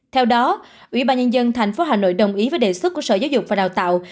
theo đó ubnd tp hà nội đồng ý với đề xuất của sở giáo dục và đào tạo